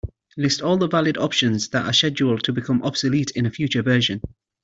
List all the valid options that are scheduled to become obsolete in a future version.